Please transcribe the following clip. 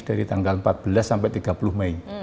dari tanggal empat belas sampai tiga puluh mei